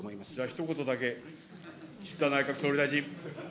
ひと言だけ、岸田内閣総理大臣。